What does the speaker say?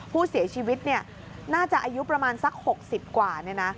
ผู้เสียชีวิตน่าจะอายุประมาณสัก๖๐กว่าเนี่ยนะ